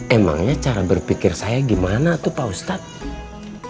emangnya cara berpikir saya gimana tuh pak ustadz